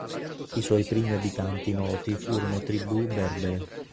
I suoi primi abitanti noti furono tribù berbere.